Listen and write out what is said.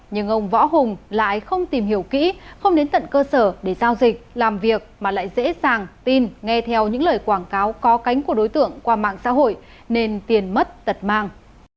nhưng ông võ hùng lại không tìm hiểu kỹ không đến tận cơ sở để giao dịch làm việc mà lại dễ dàng tin nghe theo những lời quảng cáo có cánh của đối tượng qua mạng xã hội nên tiền mất tật mang